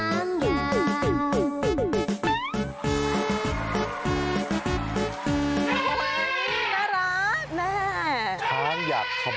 ช้างอยากทำบุญ